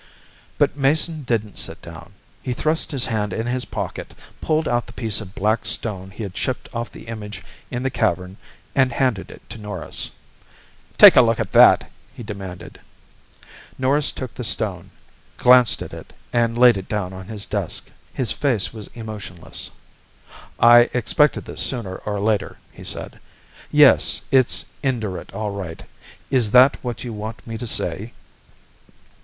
But Mason didn't sit down. He thrust his hand in his pocket, pulled out the piece of black stone he had chipped off the image in the cavern and handed it to Norris. "Take a look at that!" he demanded. Norris took the stone, glanced at it and laid it down on his desk. His face was emotionless. "I expected this sooner or later," he said. "Yes, it's Indurate all right. Is that what you want me to say?"